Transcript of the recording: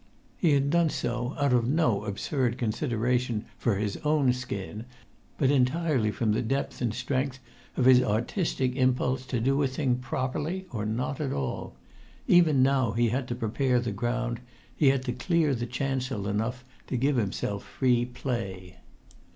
He had done so out of no absurd consideration for his own skin, but entirely from the depth and strength of his artistic impulse to do a thing properly or not at all. Even now[Pg 120] he had to prepare the ground: he had to clear the chancel enough to give himself free play.